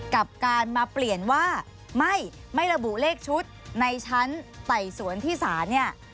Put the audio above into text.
กับการมาเปลี่ยนว่าไม่ระบุเลขชุดในชั้นไต่สวนที่ศาลเนี่ย